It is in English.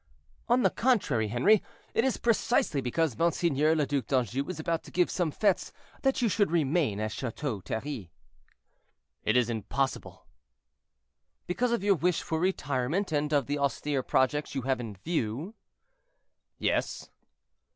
"On the contrary, Henri, it is precisely because Monseigneur le Duc d'Anjou is about to give some fetes that you should remain at Chateau Thierry." "It is impossible." "Because of your wish for retirement, and of the austere projects you have in view?"—"Yes."